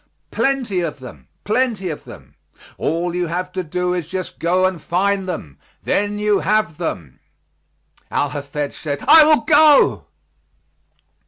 "Plenty of them, plenty of them; all you have to do is just go and find them, then you have them." Al Hafed said, "I will go."